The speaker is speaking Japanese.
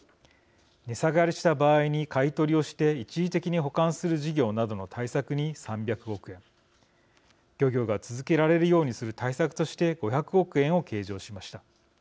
値下がりした場合に買い取りをして一時的に保管する事業などの対策に３００億円漁業が続けられるようにする対策として５００億円を計上しました。